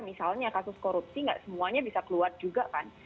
misalnya kasus korupsi nggak semuanya bisa keluar juga kan